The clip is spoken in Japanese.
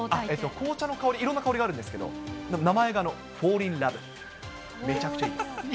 紅茶の香り、いろんな香りがあるんですけど、名前がフォーリンラブ、めちゃくちゃいいです。